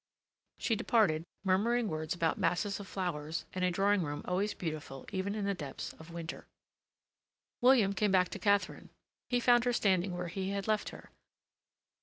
She departed, murmuring words about masses of flowers and a drawing room always beautiful even in the depths of winter. William came back to Katharine; he found her standing where he had left her.